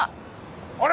あれ！